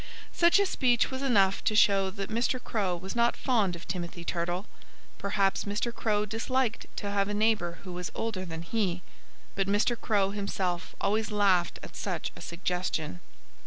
Such a speech was enough to show that Mr. Crow was not fond of Timothy Turtle. Perhaps Mr. Crow disliked to have a neighbor who was older than he. But Mr. Crow himself always laughed at such a suggestion.